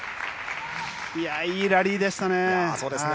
いいラリーでしたね。